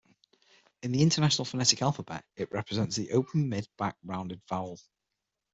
In the International Phonetic Alphabet, it represents the open-mid back rounded vowel.